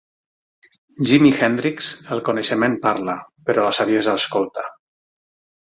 Jimmy Hendrix: el coneixement parla, però la saviesa escolta.